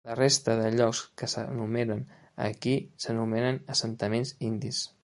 La resta de llocs que s'enumeren aquí s'anomenen assentaments indis.